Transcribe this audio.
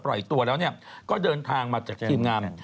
ตัวแล้วก็เดินทางมาจากทีมงาน